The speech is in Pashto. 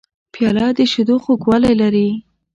پیاله د شیدو خوږوالی لري.